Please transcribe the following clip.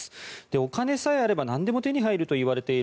お金さえあればなんでも手に入るといわれている